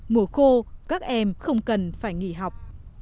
mùa khô các em không cần phải nghỉ học